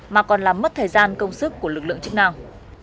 mà còn làm mất thời gian công sức của lực lượng chức năng